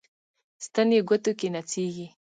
ستن یې ګوتو کې نڅیږي